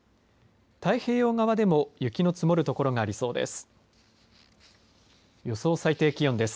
太平洋側でも雪の積もる所がありそうです。